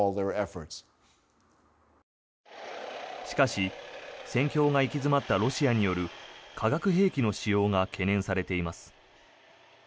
しかし、戦況が行き詰まったロシアによる化学兵器の使用が懸念されています。